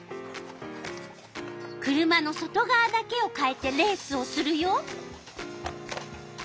車の外がわだけをかえてレースをするよ。